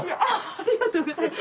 ありがとうございます。